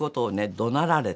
どなられた。